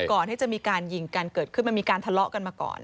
ก่อนที่จะมีการยิงกันเกิดขึ้นมันมีการทะเลาะกันมาก่อน